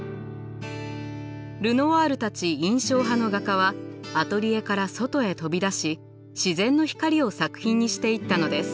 ルノワールたち印象派の画家はアトリエから外へ飛び出し自然の光を作品にしていったのです。